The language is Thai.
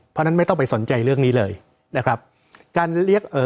เพราะฉะนั้นไม่ต้องไปสนใจเรื่องนี้เลยนะครับการเรียกเอ่อ